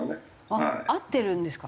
あっ合ってるんですか？